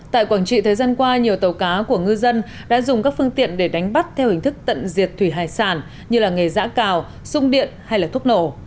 tại quảng trị thời gian qua nhiều tàu cá của ngư dân đã dùng các phương tiện để đánh bắt theo hình thức tận diệt thủy hải sản như nghề giã cào sung điện hay thuốc nổ